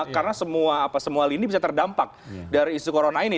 karena semua lintas bisa terdampak dari isu corona ini